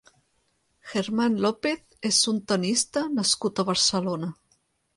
Germán López és un tennista nascut a Barcelona.